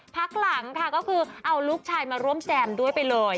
พักหลังค่ะก็คือเอาลูกชายมาร่วมแซมด้วยไปเลย